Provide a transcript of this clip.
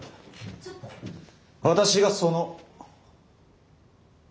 私がその。